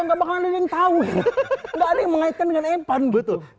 enggak ada yang mengaitkan dengan epan betul tapi yang salah itu adalah emang adalah stigma di mana itu